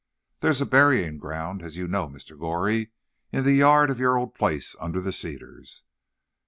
Thar's a buryin' groun', as you know, Mr. Goree, in the yard of yo' old place, under the cedars.